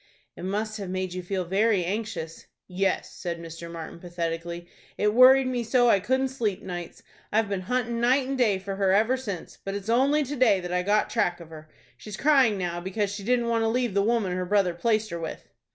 "It must have made you feel very anxious." "Yes," said Mr. Martin, pathetically. "It worried me so I couldn't sleep nights. I've been hunting night and day for her ever since, but it's only to day that I got track of her. She's crying now because she didn't want to leave the woman her brother placed her with."